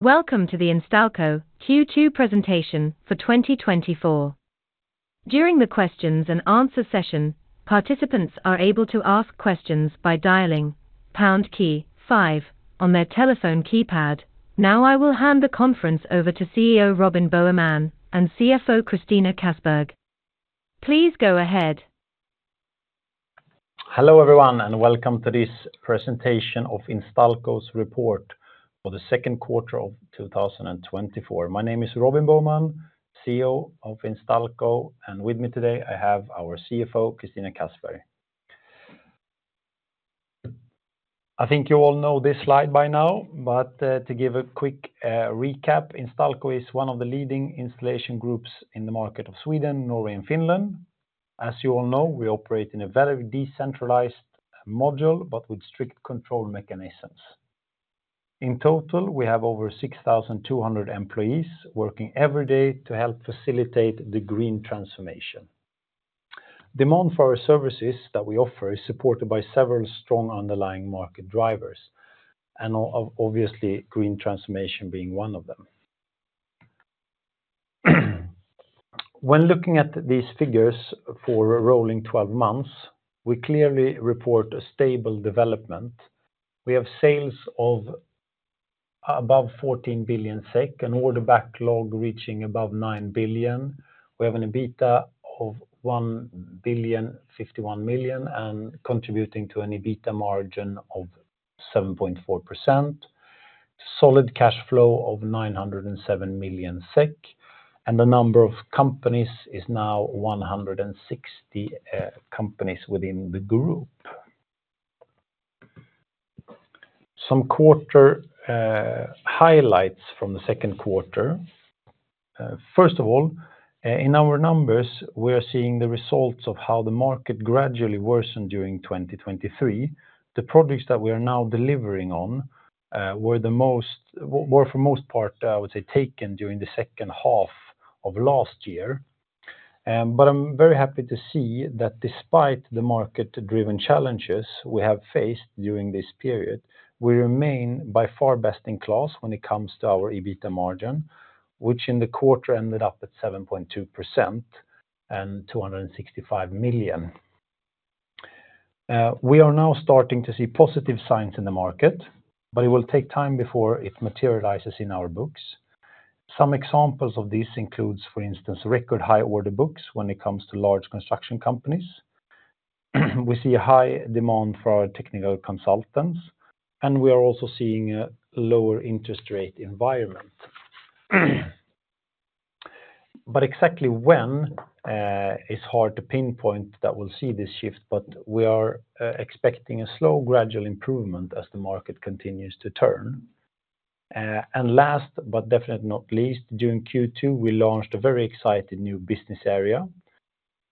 Welcome to the Instalco Q2 presentation for 2024. During the questions and answer session, participants are able to ask questions by dialing pound key five on their telephone keypad. Now, I will hand the conference over to CEO, Robin Boheman, and CFO, Christina Kassberg. Please go ahead. Hello, everyone, and welcome to this presentation of Instalco's report for the second quarter of two thousand and twenty-four. My name is Robin Boheman, CEO of Instalco, and with me today, I have our CFO, Christina Kassberg. I think you all know this slide by now, but, to give a quick, recap, Instalco is one of the leading installation groups in the market of Sweden, Norway, and Finland. As you all know, we operate in a very decentralized model, but with strict control mechanisms. In total, we have over six thousand two hundred employees working every day to help facilitate the green transformation. Demand for our services that we offer is supported by several strong underlying market drivers, and obviously, green transformation being one of them. When looking at these figures for a rolling twelve months, we clearly report a stable development. We have sales of above 14 billion SEK, an order backlog reaching above 9 billion SEK. We have an EBITDA of 1 billion, 51 million, and contributing to an EBITDA margin of 7.4%. Solid cash flow of 907 million SEK, and the number of companies is now 160 companies within the group. Some quarter highlights from the second quarter. First of all, in our numbers, we are seeing the results of how the market gradually worsened during 2023. The projects that we are now delivering on were for most part, I would say, taken during the second half of last year. But I'm very happy to see that despite the market-driven challenges we have faced during this period, we remain by far best in class when it comes to our EBITDA margin, which in the quarter ended up at 7.2% and 265 million. We are now starting to see positive signs in the market, but it will take time before it materializes in our books. Some examples of this includes, for instance, record high order books when it comes to large construction companies. We see a high demand for our technical consultants, and we are also seeing a lower interest rate environment. But exactly when, it's hard to pinpoint that we'll see this shift, but we are expecting a slow, gradual improvement as the market continues to turn. Last, but definitely not least, during Q2, we launched a very exciting new business area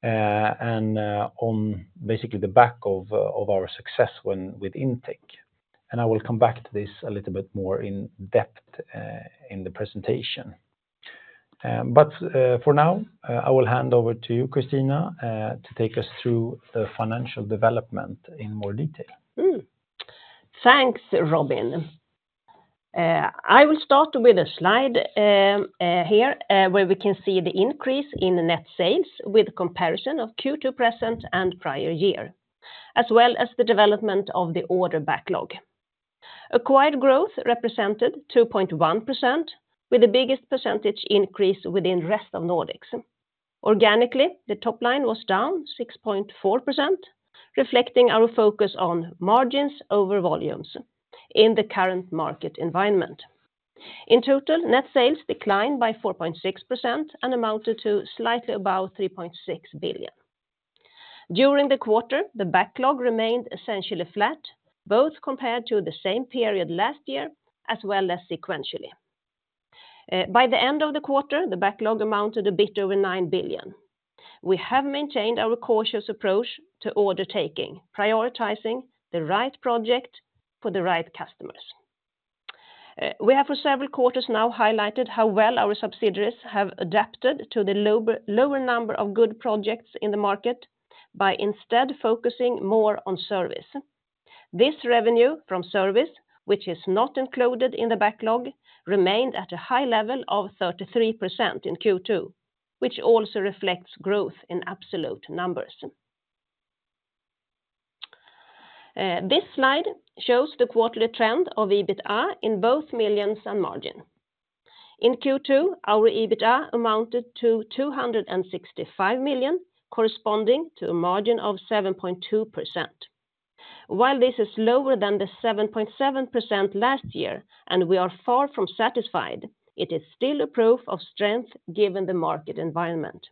and on basically the back of our success with Intec. I will come back to this a little bit more in-depth in the presentation. For now, I will hand over to you, Christina, to take us through the financial development in more detail. Thanks, Robin. I will start with a slide here, where we can see the increase in net sales with comparison of Q2 present and prior year, as well as the development of the order backlog. Acquired growth represented 2.1%, with the biggest percentage increase within rest of Nordics. Organically, the top line was down 6.4%, reflecting our focus on margins over volumes in the current market environment. In total, net sales declined by 4.6% and amounted to slightly above 3.6 billion. During the quarter, the backlog remained essentially flat, both compared to the same period last year, as well as sequentially. By the end of the quarter, the backlog amounted to a bit over 9 billion. We have maintained our cautious approach to order taking, prioritizing the right project for the right customers. We have for several quarters now highlighted how well our subsidiaries have adapted to the lower number of good projects in the market by instead focusing more on service. This revenue from service, which is not included in the backlog, remained at a high level of 33% in Q2, which also reflects growth in absolute numbers. This slide shows the quarterly trend of EBITDA in both millions and margin. In Q2, our EBITDA amounted to 265 million, corresponding to a margin of 7.2%. While this is lower than the 7.7% last year, and we are far from satisfied, it is still a proof of strength given the market environment.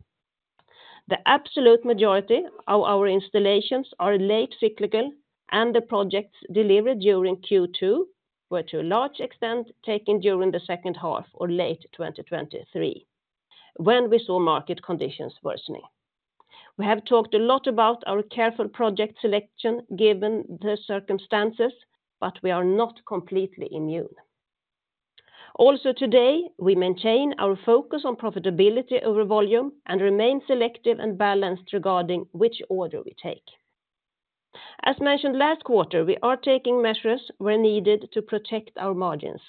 The absolute majority of our installations are late cyclical, and the projects delivered during Q2 were to a large extent taken during the second half or late 2023, when we saw market conditions worsening. We have talked a lot about our careful project selection given the circumstances, but we are not completely immune. Also, today, we maintain our focus on profitability over volume and remain selective and balanced regarding which order we take. As mentioned last quarter, we are taking measures where needed to protect our margins,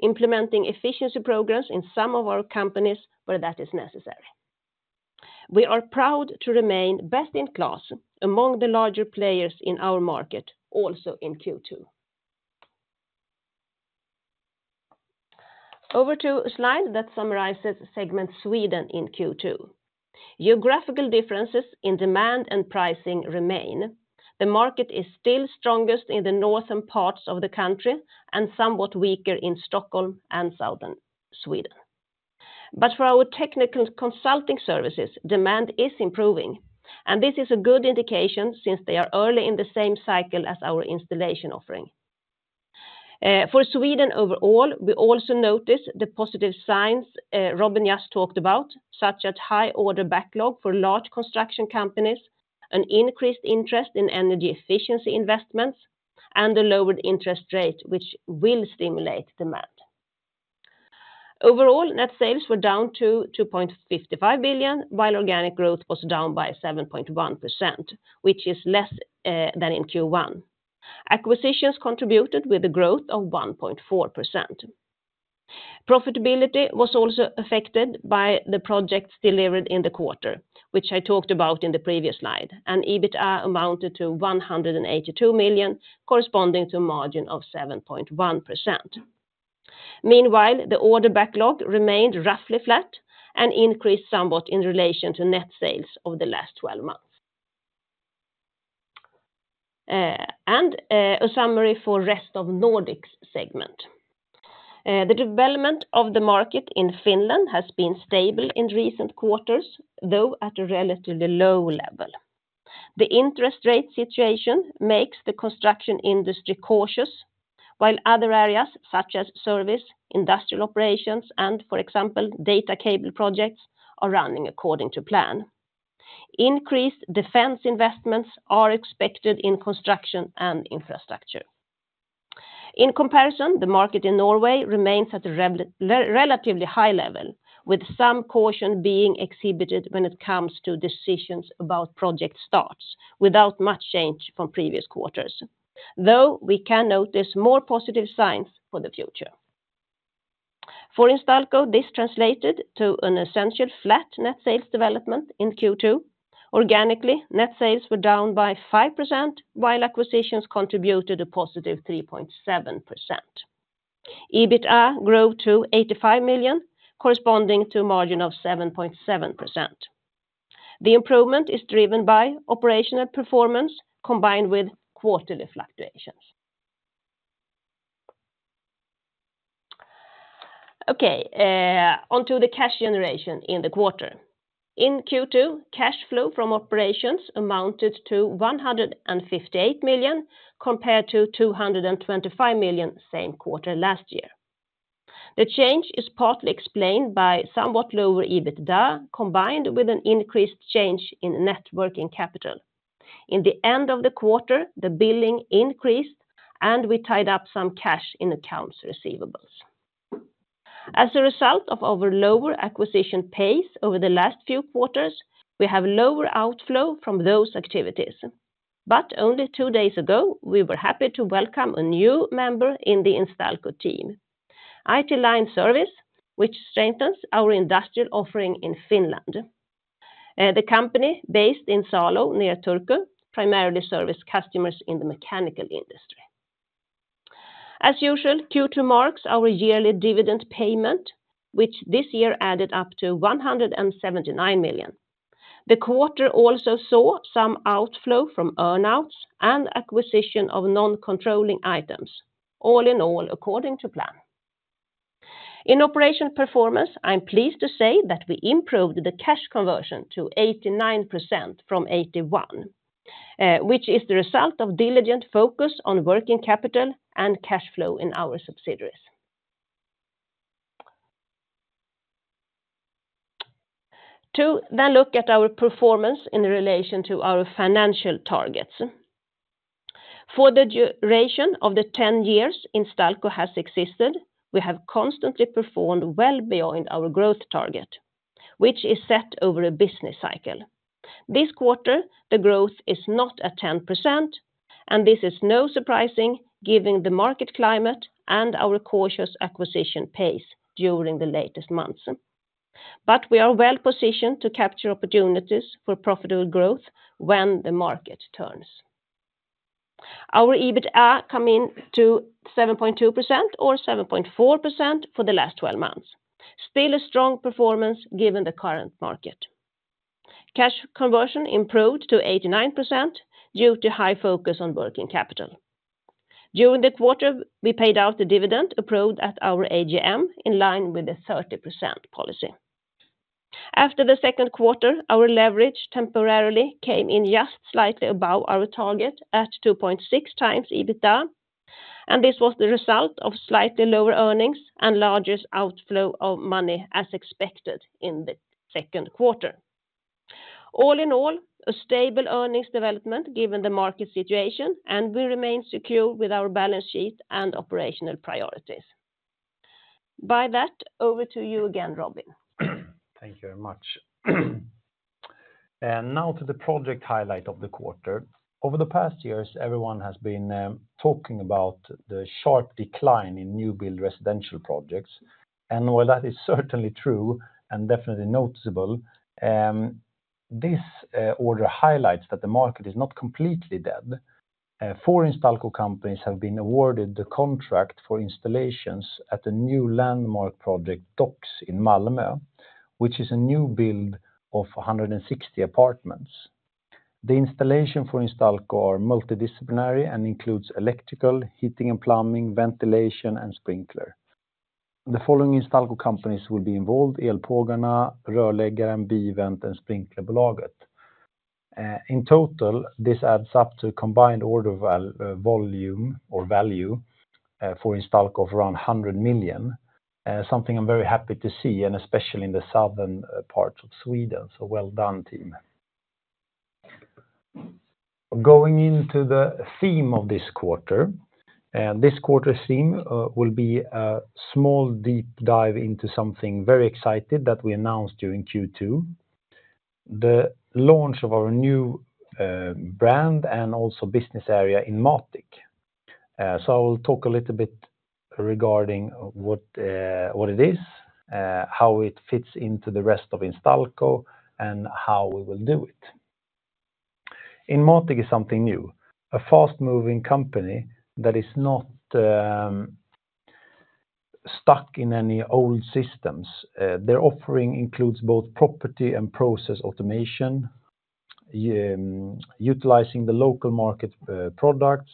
implementing efficiency programs in some of our companies where that is necessary. We are proud to remain best in class among the larger players in our market, also in Q2. Over to a slide that summarizes Segment Sweden in Q2. Geographical differences in demand and pricing remain. The market is still strongest in the northern parts of the country, and somewhat weaker in Stockholm and southern Sweden. But for our technical consulting services, demand is improving, and this is a good indication since they are early in the same cycle as our installation offering. For Sweden overall, we also notice the positive signs Robin just talked about, such as high order backlog for large construction companies, an increased interest in energy efficiency investments, and a lowered interest rate, which will stimulate demand. Overall, net sales were down to 2.55 billion, while organic growth was down by 7.1%, which is less than in Q1. Acquisitions contributed with a growth of 1.4%. Profitability was also affected by the projects delivered in the quarter, which I talked about in the previous slide, and EBITDA amounted to 182 million, corresponding to a margin of 7.1%. Meanwhile, the order backlog remained roughly flat and increased somewhat in relation to net sales over the last 12 months. A summary for rest of Nordics segment. The development of the market in Finland has been stable in recent quarters, though at a relatively low level. The interest rate situation makes the construction industry cautious, while other areas such as service, industrial operations, and for example, data cable projects, are running according to plan. Increased defense investments are expected in construction and infrastructure. In comparison, the market in Norway remains at a relatively high level, with some caution being exhibited when it comes to decisions about project starts, without much change from previous quarters, though we can notice more positive signs for the future. For Instalco, this translated to an essentially flat net sales development in Q2. Organically, net sales were down by 5%, while acquisitions contributed a positive 3.7%. EBITDA grew to 85 million, corresponding to a margin of 7.7%. The improvement is driven by operational performance combined with quarterly fluctuations. Okay, on to the cash generation in the quarter. In Q2, cash flow from operations amounted to 158 million, compared to 225 million same quarter last year. The change is partly explained by somewhat lower EBITDA, combined with an increased change in net working capital. In the end of the quarter, the billing increased, and we tied up some cash in accounts receivables. As a result of our lower acquisition pace over the last few quarters, we have lower outflow from those activities. But only two days ago, we were happy to welcome a new member in the Instalco team, IT-Line Service, which strengthens our industrial offering in Finland. The company, based in Salo, near Turku, primarily service customers in the mechanical industry. As usual, Q2 marks our yearly dividend payment, which this year added up to 179 million SEK. The quarter also saw some outflow from earn-outs and acquisition of non-controlling items, all in all, according to plan. In operation performance, I'm pleased to say that we improved the cash conversion to 89% from 81%, which is the result of diligent focus on working capital and cash flow in our subsidiaries. To then look at our performance in relation to our financial targets. For the duration of the 10 years Instalco has existed, we have constantly performed well beyond our growth target, which is set over a business cycle. This quarter, the growth is not at 10%, and this is not surprising, given the market climate and our cautious acquisition pace during the latest months. But we are well positioned to capture opportunities for profitable growth when the market turns. Our EBITDA come in to 7.2% or 7.4% for the last 12 months. Still a strong performance, given the current market. Cash conversion improved to 89% due to high focus on working capital. During the quarter, we paid out the dividend approved at our AGM, in line with the 30% policy. After the second quarter, our leverage temporarily came in just slightly above our target at 2.6 times EBITDA, and this was the result of slightly lower earnings and largest outflow of money, as expected in the second quarter. All in all, a stable earnings development, given the market situation, and we remain secure with our balance sheet and operational priorities. With that, over to you again, Robin. Thank you very much. And now to the project highlight of the quarter. Over the past years, everyone has been talking about the sharp decline in new build residential projects, and while that is certainly true and definitely noticeable, this order highlights that the market is not completely dead. Four Instalco companies have been awarded the contract for installations at the new landmark project, Docks in Malmö, which is a new build of 160 apartments. The installation for Instalco are multidisciplinary and includes electrical, heating and plumbing, ventilation, and sprinkler. The following Instalco companies will be involved: Elpågarna, Rörläggaren, Bi-Vent, and Sprinklerbolaget. In total, this adds up to a combined order volume or value for Instalco of around 100 million, something I'm very happy to see, and especially in the southern part of Sweden. So well done, team. Going into the theme of this quarter, this quarter's theme, will be a small deep dive into something very exciting that we announced during Q2, the launch of our new brand and also business area, Inmatic. So I will talk a little bit regarding what, what it is, how it fits into the rest of Instalco, and how we will do it. Inmatic is something new, a fast-moving company that is not stuck in any old systems. Their offering includes both property and process automation, utilizing the local market products,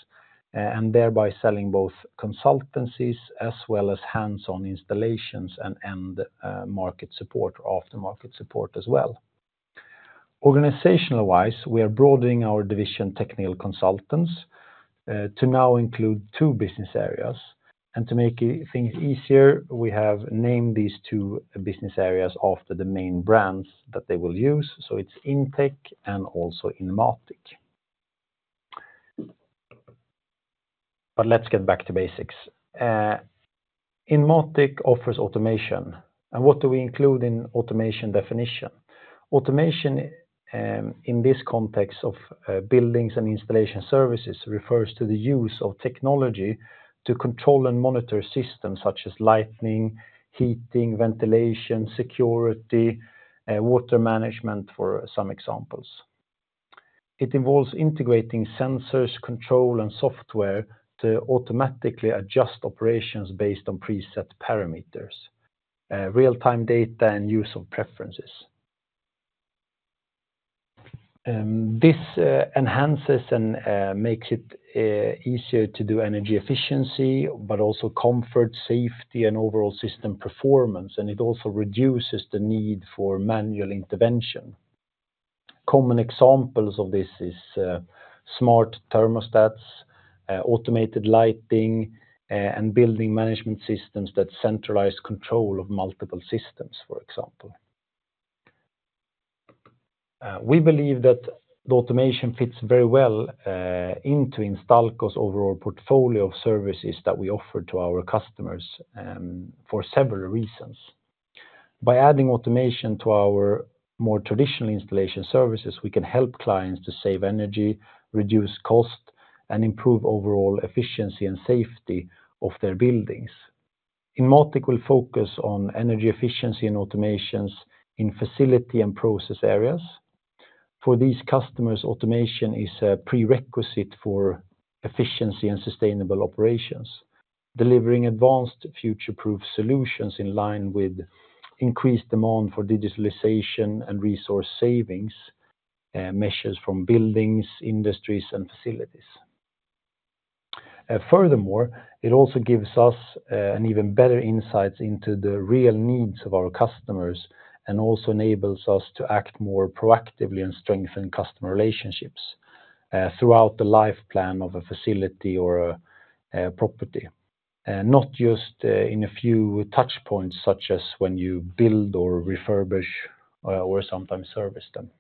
and thereby selling both consultancies as well as hands-on installations and end market support or aftermarket support as well. Organizational-wise, we are broadening our division, Technical Consultants, to now include two business areas. To make things easier, we have named these two business areas after the main brands that they will use, so it's Intec and also Inmatic. But let's get back to basics. Inmatic offers automation, and what do we include in automation definition? Automation, in this context of, buildings and installation services, refers to the use of technology to control and monitor systems such as lighting, heating, ventilation, security, water management, for some examples. It involves integrating sensors, control, and software to automatically adjust operations based on preset parameters, real-time data, and use of preferences. This enhances and makes it easier to do energy efficiency, but also comfort, safety, and overall system performance, and it also reduces the need for manual intervention. Common examples of this is, smart thermostats, automated lighting, and building management systems that centralize control of multiple systems, for example. We believe that the automation fits very well, into Instalco's overall portfolio of services that we offer to our customers, for several reasons. By adding automation to our more traditional installation services, we can help clients to save energy, reduce cost, and improve overall efficiency and safety of their buildings. Inmatic will focus on energy efficiency and automations in facility and process areas. For these customers, automation is a prerequisite for efficiency and sustainable operations, delivering advanced future-proof solutions in line with increased demand for digitalization and resource savings, measures from buildings, industries, and facilities. Furthermore, it also gives us an even better insight into the real needs of our customers and also enables us to act more proactively and strengthen customer relationships throughout the life plan of a facility or a property, not just in a few touchpoints, such as when you build or refurbish or sometimes service them.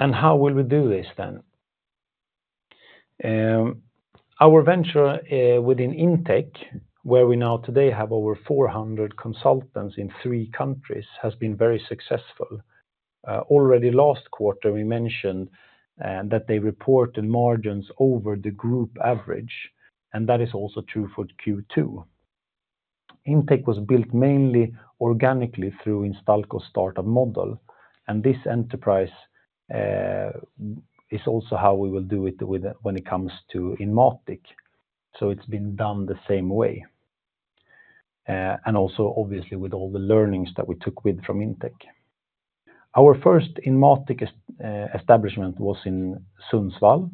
And how will we do this, then? Our venture within Intec, where we now today have over four hundred consultants in three countries, has been very successful. Already last quarter, we mentioned that they reported margins over the group average, and that is also true for Q2. Intec was built mainly organically through Instalco startup model, and this enterprise is also how we will do it with it when it comes to Inmatic, so it's been done the same way. Also, obviously, with all the learnings that we took with from Intec. Our first Inmatic establishment was in Sundsvall,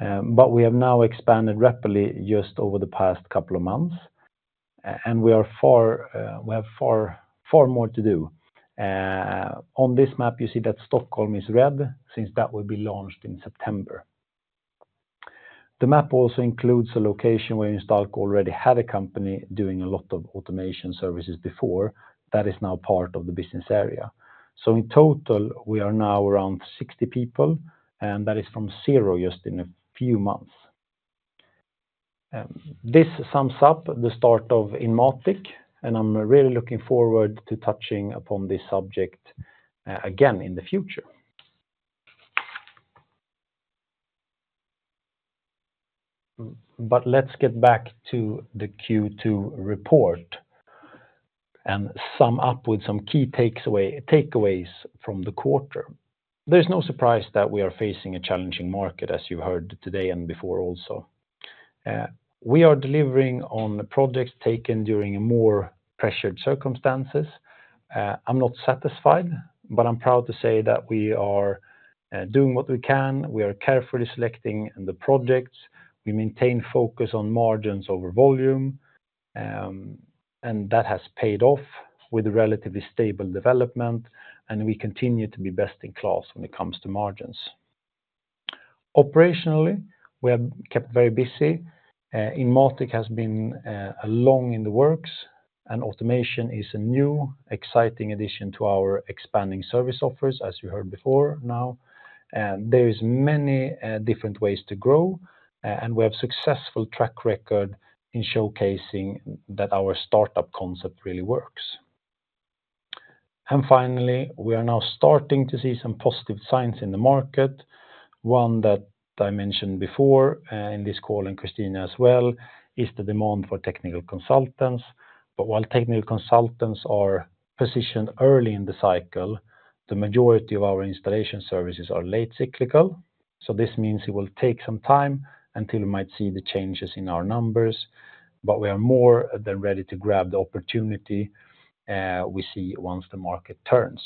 but we have now expanded rapidly just over the past couple of months, and we have far, far more to do. On this map, you see that Stockholm is red, since that will be launched in September. The map also includes a location where Instalco already had a company doing a lot of automation services before. That is now part of the business area. So in total, we are now around 60 people, and that is from 0 just in a few months. This sums up the start of Inmatic, and I'm really looking forward to touching upon this subject, again in the future. But let's get back to the Q2 report and sum up with some key takes away, takeaways from the quarter. There's no surprise that we are facing a challenging market, as you heard today and before also. We are delivering on the projects taken during a more pressured circumstances. I'm not satisfied, but I'm proud to say that we are doing what we can. We are carefully selecting the projects. We maintain focus on margins over volume, and that has paid off with a relatively stable development, and we continue to be best in class when it comes to margins. Operationally, we have kept very busy. Inmatic has been along in the works, and automation is a new exciting addition to our expanding service offers, as you heard before now. There is many different ways to grow, and we have successful track record in showcasing that our startup concept really works, and finally, we are now starting to see some positive signs in the market. One that I mentioned before in this call, and Christina as well, is the demand for technical consultants. But while technical consultants are positioned early in the cycle, the majority of our installation services are late cyclical, so this means it will take some time until we might see the changes in our numbers, but we are more than ready to grab the opportunity we see once the market turns.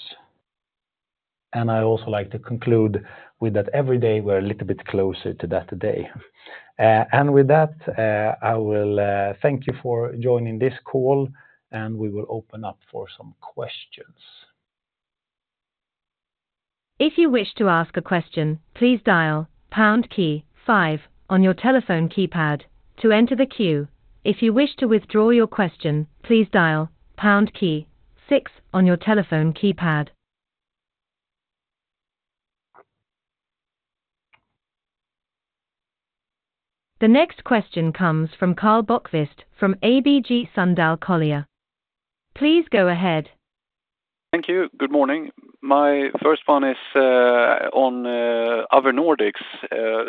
And I also like to conclude with that every day we're a little bit closer to that day, and with that, I will thank you for joining this call, and we will open up for some questions. If you wish to ask a question, please dial pound key five on your telephone keypad to enter the queue. If you wish to withdraw your question, please dial pound key six on your telephone keypad. The next question comes from Karl Bokvist from ABG Sundal Collier. Please go ahead. Thank you. Good morning. My first one is on Other Nordics,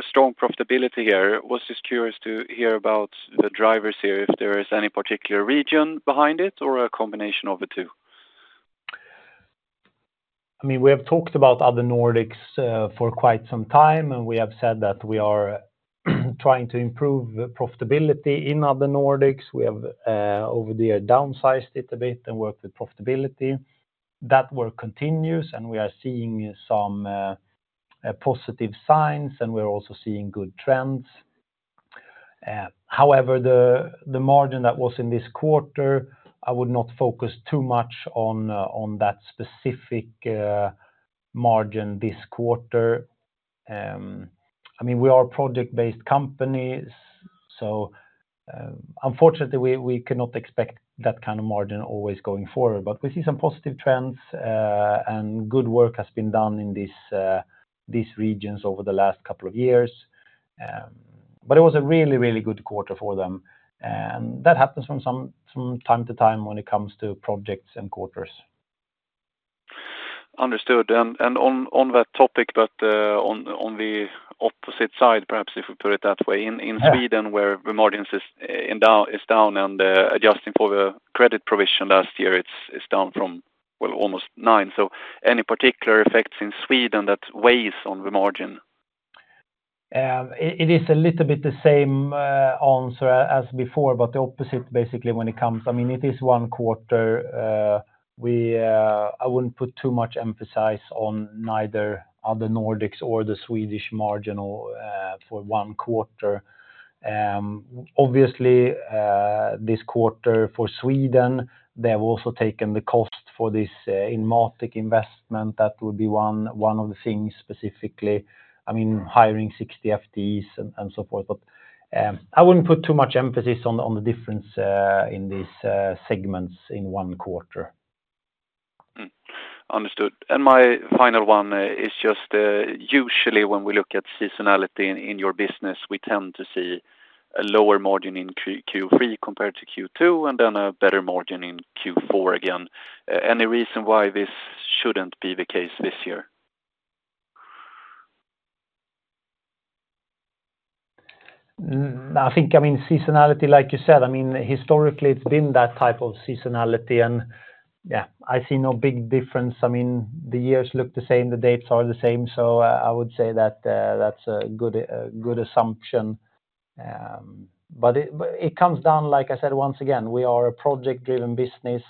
strong profitability here. Was just curious to hear about the drivers here, if there is any particular region behind it or a combination of the two? I mean, we have talked about Other Nordics for quite some time, and we have said that we are trying to improve the profitability in Other Nordics. We have over the year downsized it a bit and worked with profitability. That work continues, and we are seeing some positive signs, and we're also seeing good trends. However, the margin that was in this quarter, I would not focus too much on that specific margin this quarter. I mean, we are a project-based company, so unfortunately we cannot expect that kind of margin always going forward. But we see some positive trends, and good work has been done in these regions over the last couple of years. But it was a really, really good quarter for them, and that happens from time to time when it comes to projects and quarters. Understood. And on that topic, but on the opposite side, perhaps if we put it that way. Yeah... in Sweden, where the margins is down and, adjusting for the credit provision last year, it's down from, well, almost nine. So any particular effects in Sweden that weighs on the margin? It is a little bit the same answer as before, but the opposite, basically, when it comes... I mean, it is one quarter. I wouldn't put too much emphasis on neither Other Nordics or the Swedish margin or for one quarter. Obviously, this quarter for Sweden, they have also taken the cost for this Inmatic investment. That would be one of the things specifically. I mean, hiring 60 FTEs and so forth. But I wouldn't put too much emphasis on the difference in these segments in one quarter. Understood, and my final one is just usually when we look at seasonality in your business, we tend to see a lower margin in Q3 compared to Q2, and then a better margin in Q4 again. Any reason why this shouldn't be the case this year? I think, I mean, seasonality, like you said, I mean, historically, it's been that type of seasonality, and yeah, I see no big difference. I mean, the years look the same, the dates are the same, so I would say that that's a good assumption, but it comes down, like I said, once again, we are a project-driven business,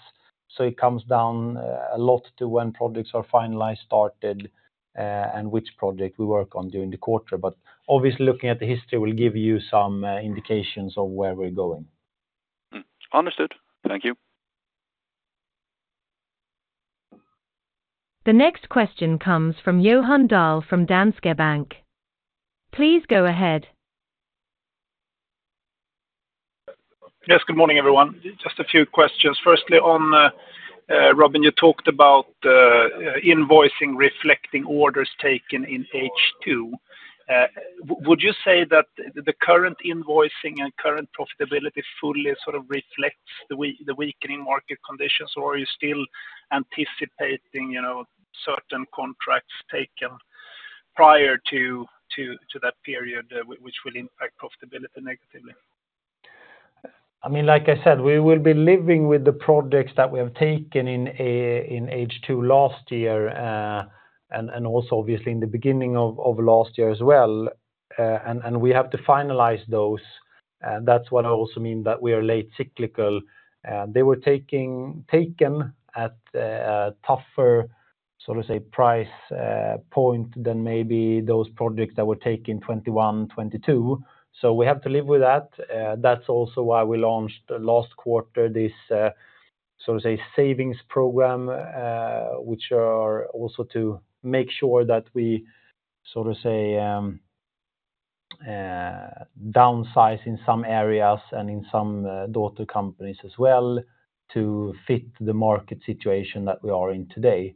so it comes down a lot to when projects are finalized, started, and which project we work on during the quarter, but obviously, looking at the history will give you some indications of where we're going. Understood. Thank you. The next question comes from Johan Dahl from Danske Bank. Please go ahead.... Yes, good morning, everyone. Just a few questions. Firstly, on Robin, you talked about invoicing reflecting orders taken in H2. Would you say that the current invoicing and current profitability fully sort of reflects the weakening market conditions, or are you still anticipating, you know, certain contracts taken prior to that period, which will impact profitability negatively? I mean, like I said, we will be living with the projects that we have taken in in H2 last year, and also obviously in the beginning of last year as well. We have to finalize those, and that's what I also mean that we are late cyclical. They were taken at a tougher, so to say, price point than maybe those projects that were taken in 2021, 2022. So we have to live with that. That's also why we launched last quarter, this so to say, savings program, which are also to make sure that we sort of say downsize in some areas and in some daughter companies as well to fit the market situation that we are in today.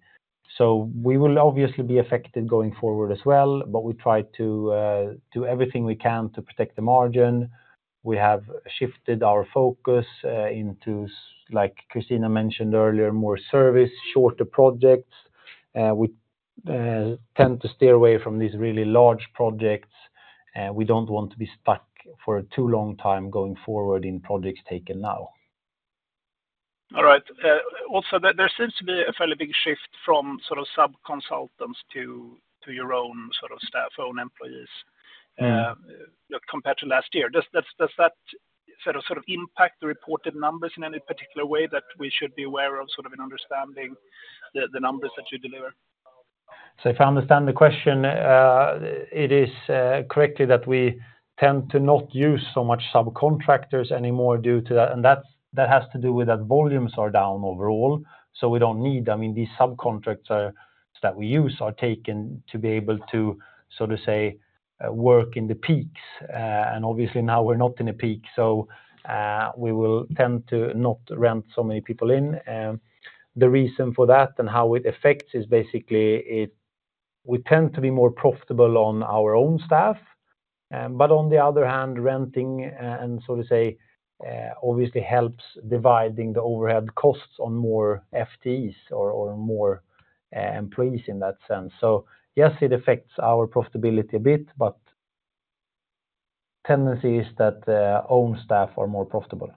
So we will obviously be affected going forward as well, but we try to do everything we can to protect the margin. We have shifted our focus into, like Christina mentioned earlier, more service, shorter projects. We tend to steer away from these really large projects, and we don't want to be stuck for a too long time going forward in projects taken now. All right. Also, there seems to be a fairly big shift from sort of sub-consultants to your own sort of staff, own employees, compared to last year. Does that sort of impact the reported numbers in any particular way that we should be aware of, sort of in understanding the numbers that you deliver? So if I understand the question, it is correctly that we tend to not use so much subcontractors anymore due to that, and that has to do with that volumes are down overall, so we don't need... I mean, these subcontractors that we use are taken to be able to, so to say, work in the peaks. And obviously now we're not in a peak, so we will tend to not rent so many people in. The reason for that and how it affects is basically it, we tend to be more profitable on our own staff, but on the other hand, renting, and so to say, obviously helps dividing the overhead costs on more FTEs or more employees in that sense. So yes, it affects our profitability a bit, but tendency is that, own staff are more profitable.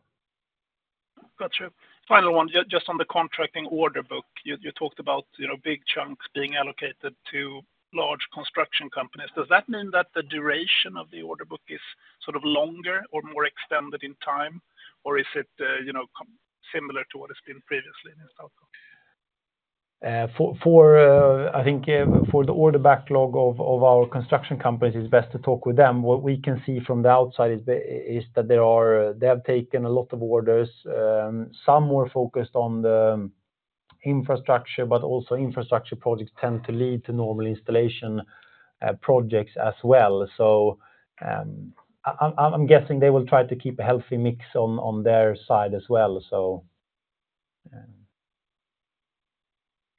Got you. Final one, just on the contracting order book. You talked about, you know, big chunks being allocated to large construction companies. Does that mean that the duration of the order book is sort of longer or more extended in time, or is it, you know, similar to what it's been previously in Stockholm? I think for the order backlog of our construction companies, it's best to talk with them. What we can see from the outside is that they have taken a lot of orders, some more focused on the infrastructure, but also infrastructure projects tend to lead to normal installation projects as well. So, I'm guessing they will try to keep a healthy mix on their side as well, so.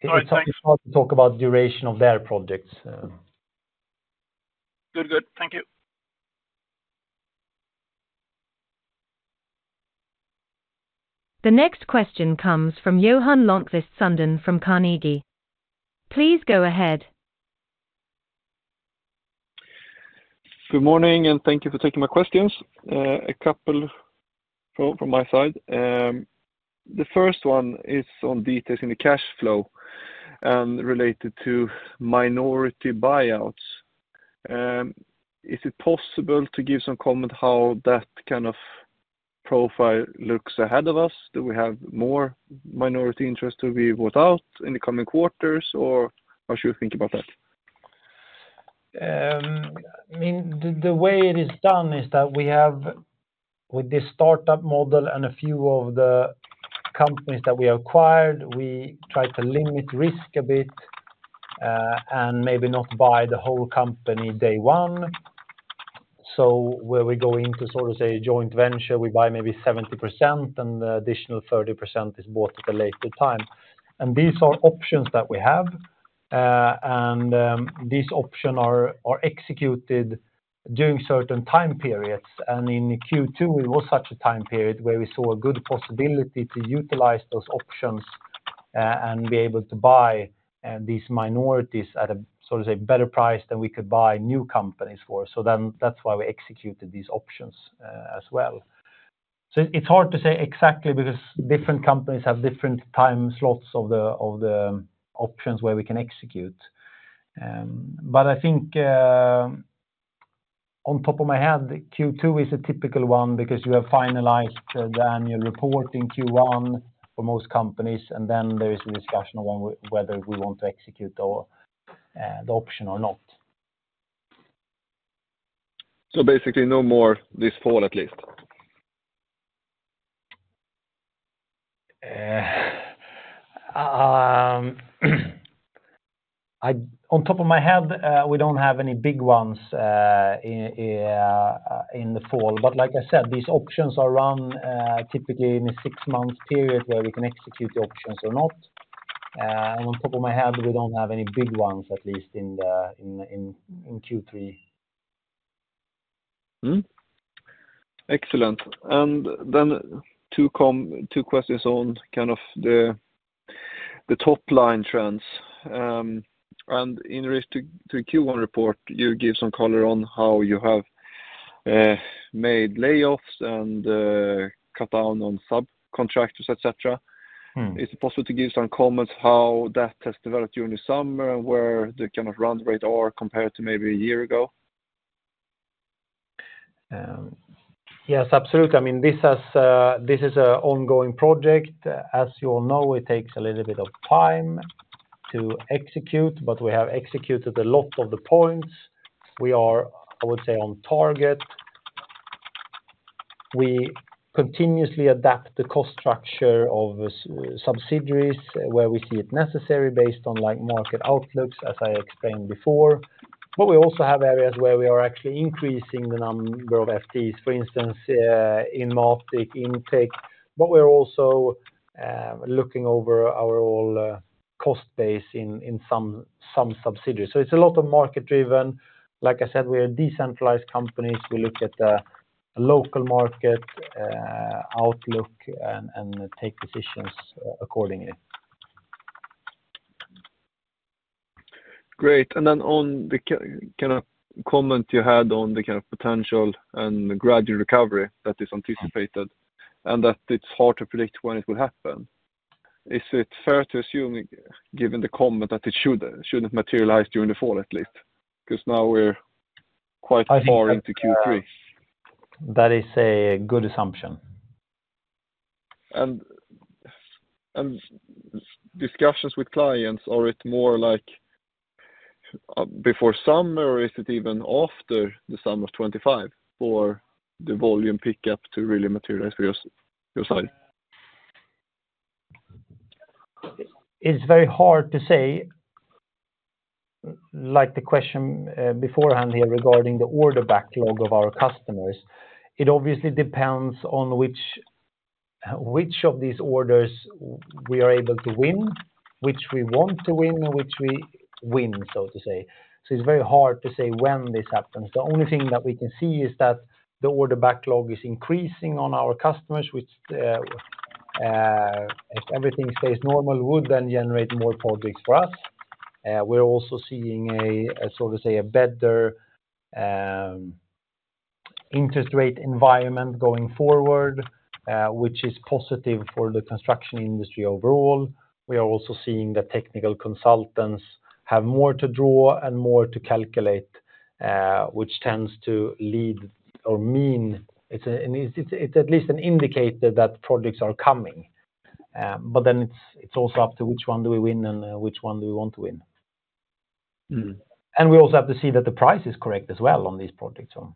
All right. Thanks. Talk about duration of their projects. Good. Good. Thank you. The next question comes from Johan Lönnqvist from Carnegie. Please go ahead. Good morning, and thank you for taking my questions. A couple from my side. The first one is on details in the cash flow related to minority buyouts. Is it possible to give some comment how that kind of profile looks ahead of us? Do we have more minority interest to be bought out in the coming quarters, or how should we think about that? I mean, the way it is done is that we have, with this startup model and a few of the companies that we acquired, we try to limit risk a bit, and maybe not buy the whole company day one. So where we go into sort of, say, a joint venture, we buy maybe 70%, and the additional 30% is bought at a later time. And these are options that we have, and these options are executed during certain time periods. And in Q2, it was such a time period where we saw a good possibility to utilize those options, and be able to buy these minorities at a, sort of say, better price than we could buy new companies for. So then, that's why we executed these options, as well. So it's hard to say exactly, because different companies have different time slots of the options where we can execute. But I think, on top of my head, Q2 is a typical one because you have finalized the annual report in Q1 for most companies, and then there is a discussion on whether we want to execute our option or not. So basically, no more this fall, at least? ... Off the top of my head, we don't have any big ones in the fall. But like I said, these options are run typically in a six-month period where we can execute the options or not. And off the top of my head, we don't have any big ones, at least in Q3. Mm-hmm. Excellent. And then two questions on kind of the top line trends. And in ref to the Q1 report, you give some color on how you have made layoffs and cut down on subcontractors, et cetera. Mm-hmm. Is it possible to give some comments how that has developed during the summer, and where the kind of run rate are compared to maybe a year ago? Yes, absolutely. I mean, this has, this is an ongoing project. As you all know, it takes a little bit of time to execute, but we have executed a lot of the points. We are, I would say, on target. We continuously adapt the cost structure of subsidiaries, where we see it necessary based on, like, market outlooks, as I explained before. But we also have areas where we are actually increasing the number of FTEs, for instance, in Inmatic, Intec. But we're also looking over our all, cost base in, in some, some subsidiaries. So it's a lot of market driven. Like I said, we are a decentralized companies. We look at the local market, outlook, and, and take decisions accordingly. Great. And then on the kind of comment you had on the kind of potential and gradual recovery that is anticipated, and that it's hard to predict when it will happen. Is it fair to assume, given the comment, that it should, shouldn't materialize during the fall, at least? Because now we're quite far- I think that- -into Q3. That is a good assumption. Discussions with clients, are it more like before summer, or is it even after the summer of twenty-five for the volume pickup to really materialize for your side? It's very hard to say, like, the question beforehand here regarding the order backlog of our customers. It obviously depends on which, which of these orders we are able to win, which we want to win, and which we win, so to say. So it's very hard to say when this happens. The only thing that we can see is that the order backlog is increasing on our customers, which, if everything stays normal, would then generate more projects for us. We're also seeing a, so to say, a better interest rate environment going forward, which is positive for the construction industry overall. We are also seeing that technical consultants have more to draw and more to calculate, which tends to lead or mean. It's at least an indicator that projects are coming. But then it's also up to which one do we win and which one do we want to win. Mm-hmm. And we also have to see that the price is correct as well on these projects, so.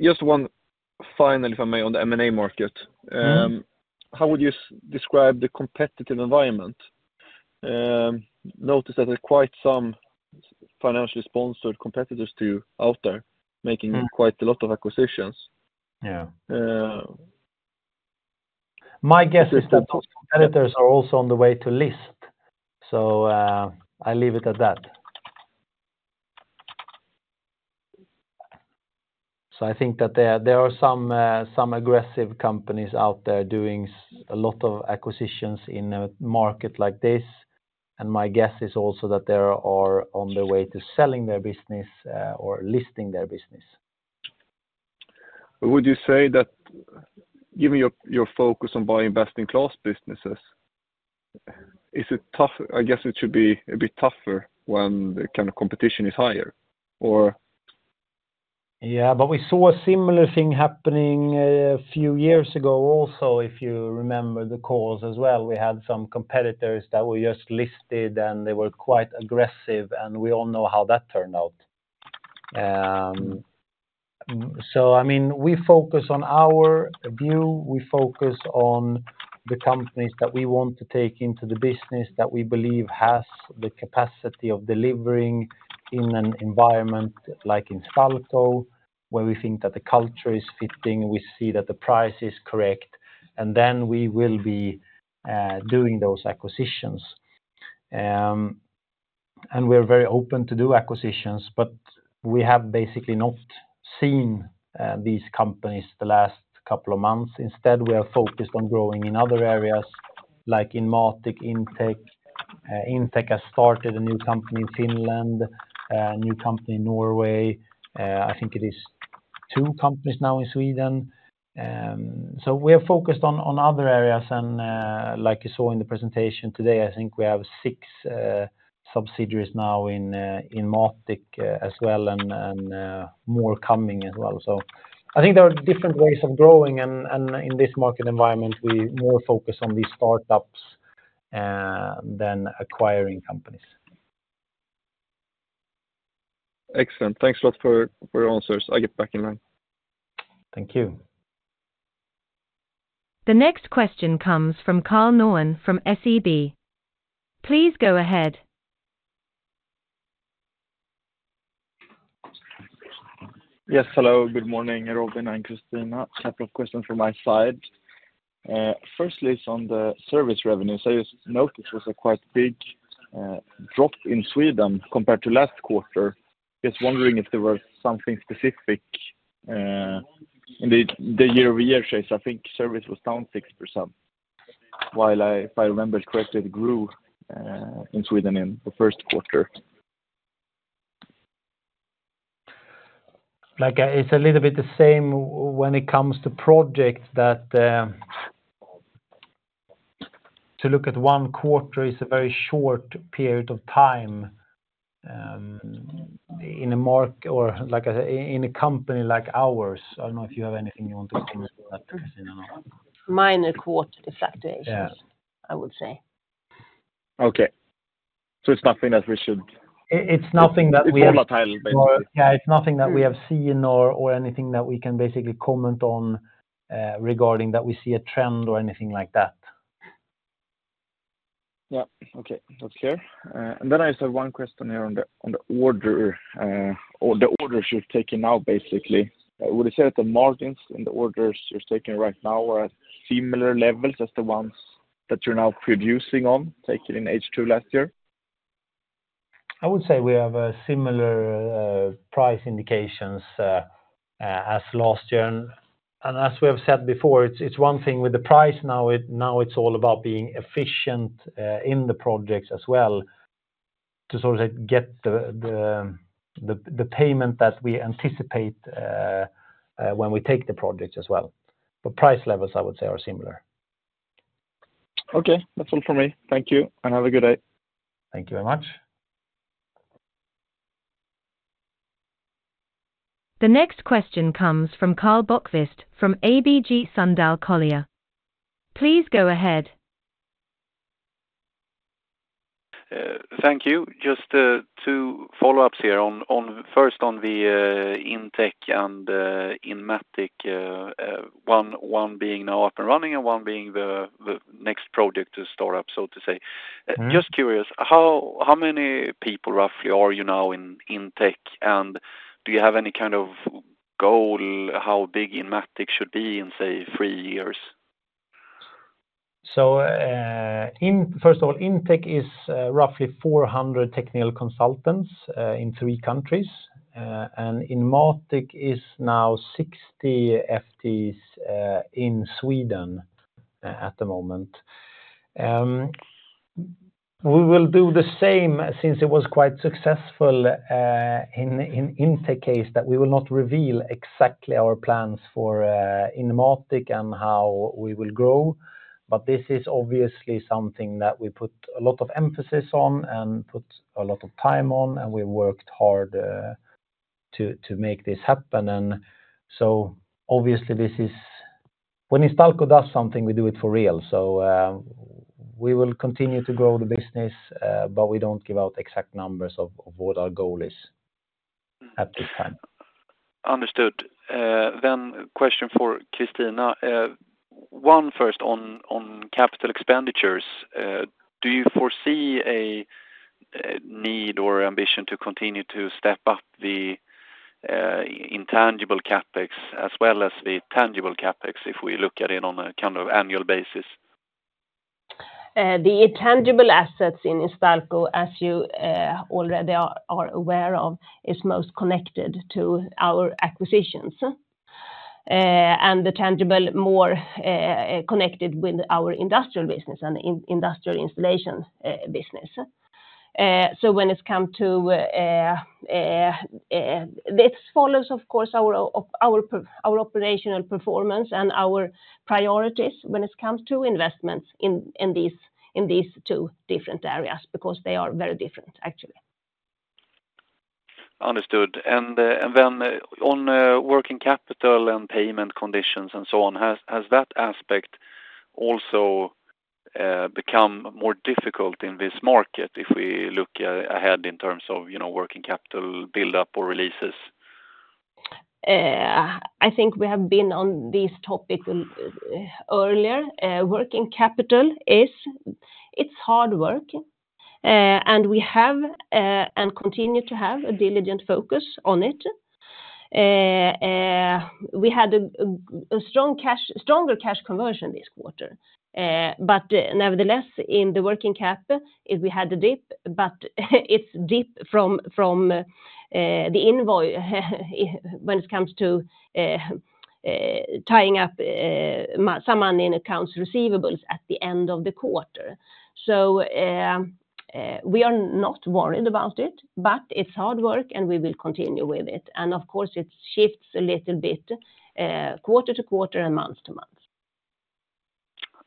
Just one final, if I may, on the M&A market. Mm-hmm. How would you describe the competitive environment? Notice that there are quite some financially sponsored competitors to you out there, making- Mm... quite a lot of acquisitions. Yeah. Uh. My guess is that those competitors are also on the way to list. So, I leave it at that. So I think that there are some aggressive companies out there doing a lot of acquisitions in a market like this, and my guess is also that they are on their way to selling their business or listing their business. Would you say that, given your focus on buying best-in-class businesses, is it tough? I guess it should be a bit tougher when the kind of competition is higher, or- Yeah, but we saw a similar thing happening a few years ago also, if you remember the calls as well. We had some competitors that were just listed, and they were quite aggressive, and we all know how that turned out, so, I mean, we focus on our view, we focus on the companies that we want to take into the business that we believe has the capacity of delivering in an environment like in Instalco, where we think that the culture is fitting, we see that the price is correct, and then we will be, doing those acquisitions, and we're very open to do acquisitions, but we have basically not seen, these companies the last couple of months. Instead, we are focused on growing in other areas, like in Inmatic, Intec. Intec has started a new company in Finland, a new company in Norway. I think it is two companies now in Sweden. So we are focused on other areas, and like you saw in the presentation today, I think we have six subsidiaries now in Inmatic as well, and more coming as well. So I think there are different ways of growing, and in this market environment, we're more focused on these startups than acquiring companies. ... Excellent. Thanks a lot for your answers. I'll get back in line. Thank you. The next question comes from Karl Norén from SEB. Please go ahead. Yes, hello. Good morning, Robin and Christina. A couple of questions from my side. Firstly, it's on the service revenue. So I just noticed there was a quite big drop in Sweden compared to last quarter. Just wondering if there was something specific in the year-over-year change. I think service was down 6%, while if I remember correctly, it grew in Sweden in the first quarter. Like, it's a little bit the same when it comes to projects that to look at one quarter is a very short period of time in a market, or like I say, in a company like ours. I don't know if you have anything you want to add to that, Christina? Minor quarter fluctuations- Yeah I would say. Okay, so it's nothing that we should- It's nothing that we- It's volatile, basically. Yeah, it's nothing that we have seen or anything that we can basically comment on regarding that we see a trend or anything like that. Yeah. Okay, that's fair. And then I just have one question here on the order, or the orders you've taken now, basically. Would you say that the margins in the orders you're taking right now are at similar levels as the ones that you're now producing on, taken in H2 last year? I would say we have a similar price indications as last year. And as we have said before, it's one thing with the price now. Now it's all about being efficient in the projects as well, to sort of get the payment that we anticipate when we take the projects as well. But price levels, I would say, are similar. Okay. That's all for me. Thank you, and have a good day. Thank you very much. The next question comes from Karl Bokvist from ABG Sundal Collier. Please go ahead. Thank you. Just two follow-ups here on first on the Intec and Inmatic, one being now up and running, and one being the next project to start up, so to say. Mm-hmm. Just curious, how many people, roughly, are you now in Intec? And do you have any kind of goal, how big Inmatic should be in, say, three years? First of all, Intec is roughly 400 technical consultants in three countries, and Inmatic is now 60 FTEs in Sweden at the moment. We will do the same, since it was quite successful in Intec case, that we will not reveal exactly our plans for Inmatic and how we will grow. But this is obviously something that we put a lot of emphasis on and put a lot of time on, and we worked hard to make this happen, and so obviously this is when Instalco does something, we do it for real. We will continue to grow the business, but we don't give out exact numbers of what our goal is at this time. Understood. Then question for Christina. One first on capital expenditures. Do you foresee a need or ambition to continue to step up the intangible CapEx as well as the tangible CapEx, if we look at it on a kind of annual basis? The intangible assets in Instalco, as you already are aware of, is most connected to our acquisitions. And the tangible, more connected with our industrial business and industrial installation business. So when it's come to this follows, of course, our operational performance and our priorities when it comes to investments in these two different areas, because they are very different, actually. Understood. And then, on working capital and payment conditions and so on, has that aspect also become more difficult in this market if we look ahead in terms of, you know, working capital buildup or releases? I think we have been on this topic earlier. Working capital is, it's hard work, and we have, and continue to have a diligent focus on it. We had a stronger cash conversion this quarter. But nevertheless, in the working cap, we had a dip, but it's dip from the invoice, when it comes to tying up some money in accounts receivables at the end of the quarter. So, we are not worried about it, but it's hard work, and we will continue with it. And of course, it shifts a little bit quarter to quarter and month to month.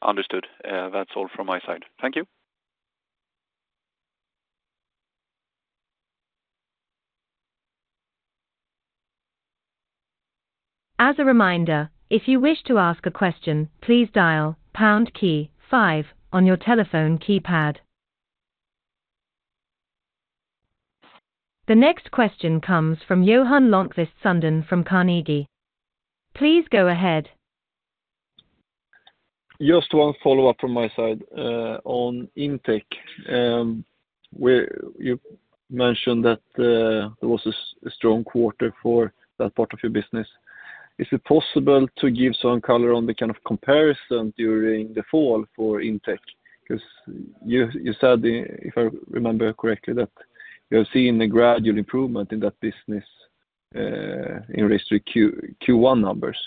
Understood. That's all from my side. Thank you.... As a reminder, if you wish to ask a question, please dial pound key five on your telephone keypad. The next question comes from Johan Lönnquist from Carnegie. Please go ahead. Just one follow-up from my side, on Intec. Where you mentioned that there was a strong quarter for that part of your business. Is it possible to give some color on the kind of comparison during the fall for Intec? Because you said, if I remember correctly, that you have seen a gradual improvement in that business, in respect to Q1 numbers.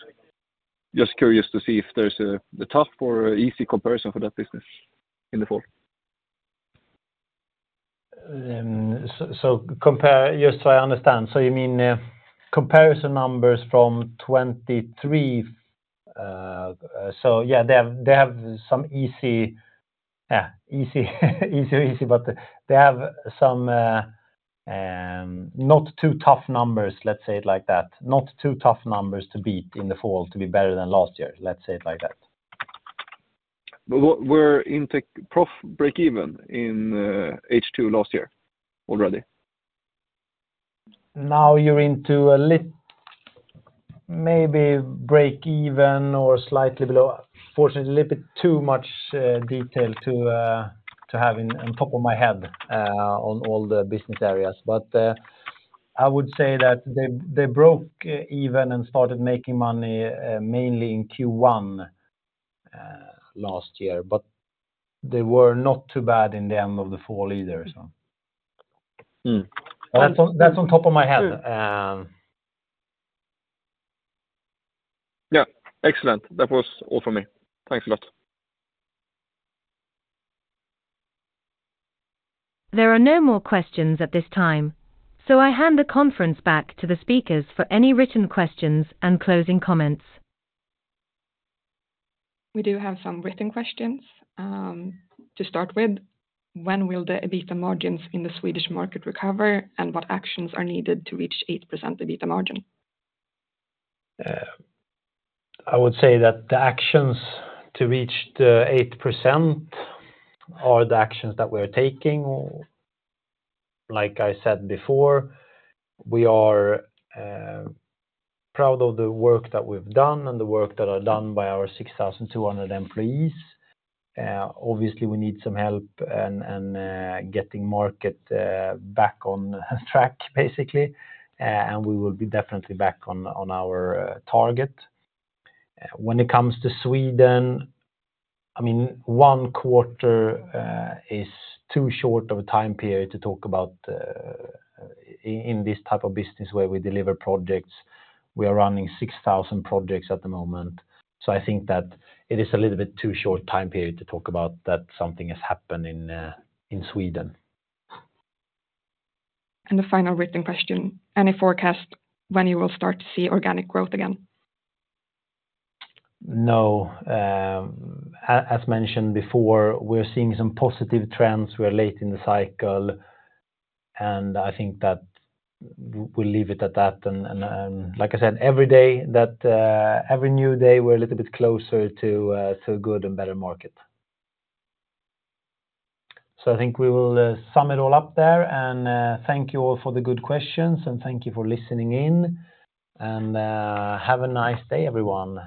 Just curious to see if there's a tough or easy comparison for that business in the fall. Just so I understand, so you mean comparison numbers from 2023? So yeah, they have some easy, but they have some not too tough numbers, let's say it like that. Not too tough numbers to beat in the fall to be better than last year. Let's say it like that. But what were Intec profit break even in H2 last year already? Now you're into a little maybe break even or slightly below. Unfortunately, a little bit too much detail to have on top of my head on all the business areas. But I would say that they broke even and started making money mainly in Q1 last year, but they were not too bad in the end of the fall either, so. Mm. That's on top of my head. Yeah. Excellent. That was all for me. Thanks a lot. There are no more questions at this time, so I hand the conference back to the speakers for any written questions and closing comments. We do have some written questions. To start with, when will the EBITDA margins in the Swedish market recover, and what actions are needed to reach 8% EBITDA margin? I would say that the actions to reach the 8% are the actions that we're taking. Like I said before, we are proud of the work that we've done and the work that are done by our 6,200 employees. Obviously, we need some help and getting market back on track, basically, and we will be definitely back on our target. When it comes to Sweden, I mean, one quarter is too short of a time period to talk about in this type of business where we deliver projects. We are running 6,000 projects at the moment, so I think that it is a little bit too short time period to talk about that something has happened in Sweden. The final written question: Any forecast when you will start to see organic growth again? No. As mentioned before, we're seeing some positive trends. We are late in the cycle, and I think that we'll leave it at that. And like I said, every new day, we're a little bit closer to a good and better market. So I think we will sum it all up there, and thank you all for the good questions, and thank you for listening in. And have a nice day, everyone.